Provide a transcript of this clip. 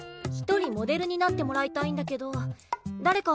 １人モデルになってもらいたいんだけどあっ！